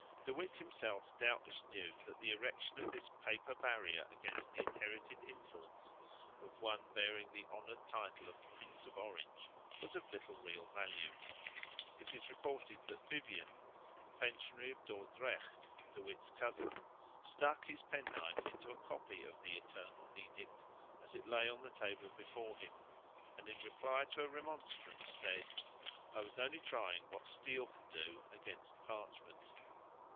De Witt himself doubtless knew that the erection of this paper barrier against the inherited influence of one bearing the honoured title of Prince of Orange was of little real value. It is reported that Vivien, the Pensionary of Dordrecht, De Witt's cousin, stuck his pen knife into a copy of the Eternal Edict as it lay on the table before him, and in reply to a remonstrance said: "I was only trying what steel can do against parchment."